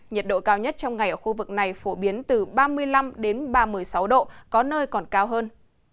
nhiệt độ cao nhất trong ngày ở khu vực này phổ biến từ ba mươi năm ba mươi sáu độ có nơi còn cao hơn